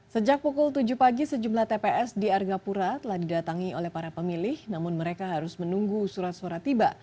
sejak pukul tujuh pagi sejumlah tps di argapura telah didatangi oleh para pemilih namun mereka harus menunggu surat suara tiba